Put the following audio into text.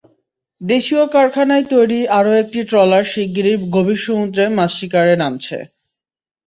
দেশীয় কারখানায় তৈরি আরও একটি ট্রলার শিগগিরই গভীর সমুদ্রে মাছ শিকারে নামছে।